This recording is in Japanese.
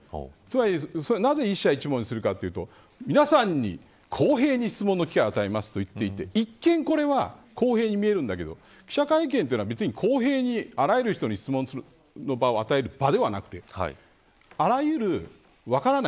それはなぜ一社一問にするかというと皆さんに、公平に質問の機会を与えますと言っていて一見これは、公平に見えるけれど記者会見ってものは、別に公平にあらゆる人に質問を与える場ではなくてあらゆる、分からない。